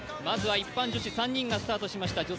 まずは一般女子３人がスタートしました。